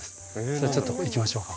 じゃあちょっと行きましょうか？